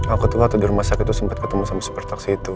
aku tuh waktu di rumah sakit tuh sempat ketemu sama supir taksi itu